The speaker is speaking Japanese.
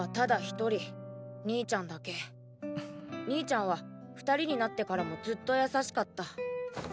兄ちゃんは２人になってからもずっと優しかった。